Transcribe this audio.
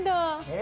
え